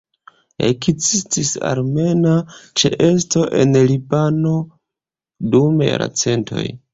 Ekzistis armena ĉeesto en Libano dum jarcentoj.